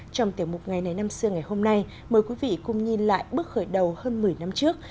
trong tiểu mục ngày này năm xưa ngày hôm nay mời quý vị cùng nhìn lại bước khởi đầu hơn một mươi năm trước